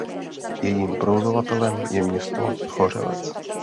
Jejím provozovatelem je město Zhořelec.